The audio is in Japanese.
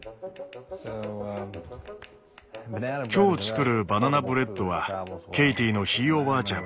今日作るバナナブレッドはケイティのひいおばあちゃん